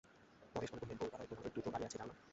পরেশবাবু কহিলেন, কলকাতায় তোমাদের দুটো বাড়ি আছে জান না!